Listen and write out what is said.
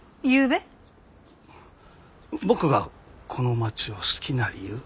僕がこの町を好きな理由。